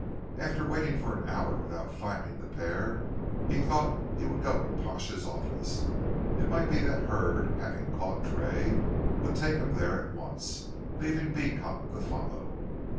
After waiting for an hour without finding the pair, he thought he would go to Pash's office. It might be that Hurd, having caught Tray, would take him there at once, leaving Beecot to follow.